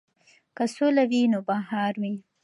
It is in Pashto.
که سوله وي نو بهار وي.